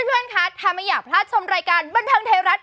และอย่าพลาดชมรายการบรรเทิงไทยรัฐ